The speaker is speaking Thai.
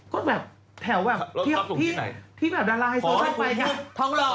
ก็แบบแถวแบบที่แบบดาราไฮโซ่เข้าไปค่ะ